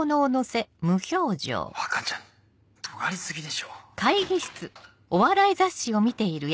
若ちゃんとがり過ぎでしょ。